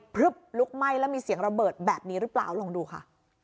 ึบลุกไหม้แล้วมีเสียงระเบิดแบบนี้หรือเปล่าลองดูค่ะ